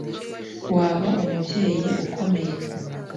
Waba umubyeyi ukomeye